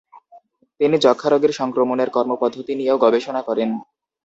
তিনি যক্ষ্মা রোগের সংক্রমণের কর্মপদ্ধতি নিয়েও গবেষণা করেন।